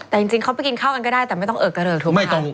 แต่จริงเขาไปกินข้าวกันก็ได้แต่ไม่ต้องเอิกกระเริกถูกไหมคะ